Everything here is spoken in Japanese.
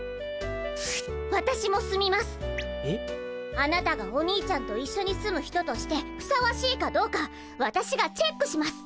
あなたがお兄ちゃんと一緒に住む人としてふさわしいかどうかわたしがチェックします！